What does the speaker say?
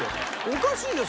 おかしいよ！